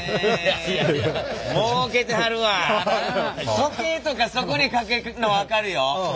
時計とかそこにかけるのは分かるよ。